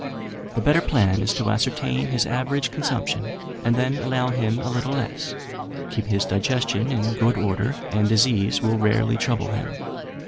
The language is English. The better plan is to ascertain his average consumption, and then allow him a little less. Keep his digestion in good order, and disease will rarely trouble him.